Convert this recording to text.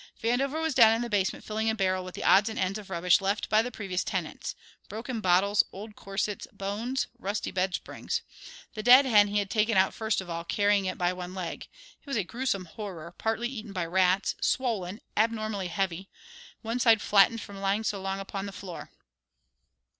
Vandover was down in the basement filling a barrel with the odds and ends of rubbish left by the previous tenants: broken bottles, old corsets, bones, rusty bedsprings. The dead hen he had taken out first of all, carrying it by one leg. It was a gruesome horror, partly eaten by rats, swollen, abnormally heavy, one side flattened from lying so long upon the floor.